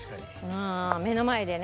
ああ目の前でね。